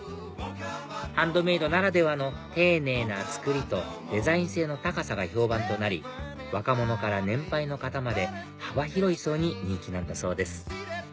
ハンドメイドならではの丁寧な作りとデザイン性の高さが評判となり若者から年配の方まで幅広い層に人気なんだそうです